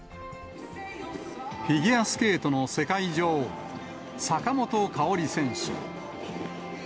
フィギュアスケートの世界女王、坂本花織選手。